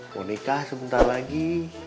mau nikah sebentar lagi